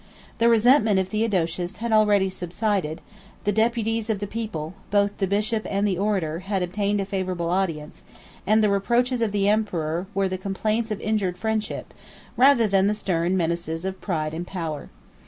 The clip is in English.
The resentment of Theodosius had already subsided; the deputies of the people, both the bishop and the orator, had obtained a favorable audience; and the reproaches of the emperor were the complaints of injured friendship, rather than the stern menaces of pride and power.